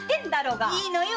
いいのよ